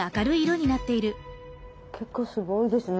結構すごいですね